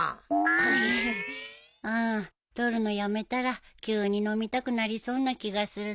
ああ取るのやめたら急に飲みたくなりそうな気がするね。